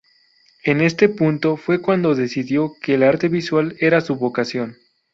En este punto fue cuando decidió que el arte visual era su vocación.